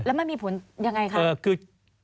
แล้วมันมีผลยังไงคะ